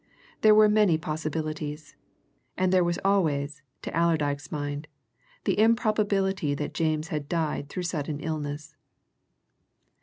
There were many possibilities, and there was always to Allerdyke's mind the improbability that James had died through sudden illness.